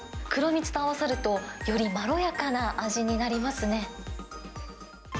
黒みつと合わさると、よりまろやかな味になりますね。